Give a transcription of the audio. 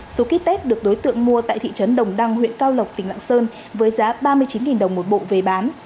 số ký test được đối tượng mua tại thị trấn đồng đăng huyện cao lộc tỉnh lạng sơn với giá ba mươi chín đồng một bộ về bán